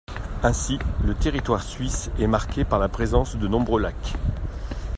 Ainsi le territoire suisse est marqué par la présence de nombreux lacs.